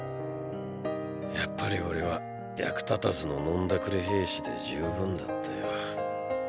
やっぱり俺は役立たずの飲んだくれ兵士で十分だったよ。